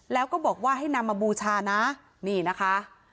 แล้วก็บอกว่าให้นำมาบูชานะนี่นะคะ